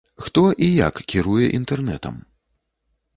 Хто і як кіруе інтэрнэтам?